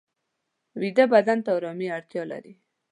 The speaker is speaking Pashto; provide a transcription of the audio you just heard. ویده بدن ته آرامي اړتیا لري